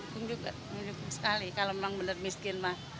menyukup sekali kalau memang benar miskin ma